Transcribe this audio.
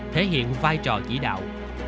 thể hiện vai trò chỉ đạo